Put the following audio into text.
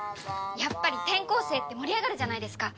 やっぱり転校生って盛り上がるじゃないですか。